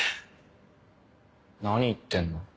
何言ってんの？